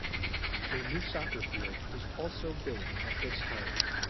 A new soccer field was also built at this time.